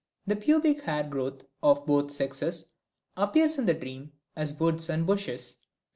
The pubic hair growth of both sexes appears in the dream as woods and bushes.